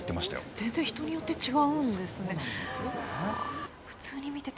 全然人によって違うんですね。